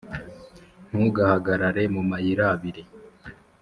ntugahagarare mu mayirabiri